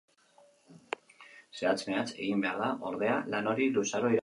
Zehatz-mehatz egin behar da, ordea, lan hori, luzaro iraun dezan.